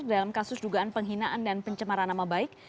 dalam kasus dugaan penghinaan dan pencemaran nama baik